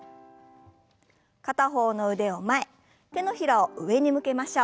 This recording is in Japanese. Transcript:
片方の腕を前手のひらを上に向けましょう。